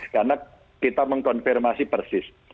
karena kita mengkonfirmasi persis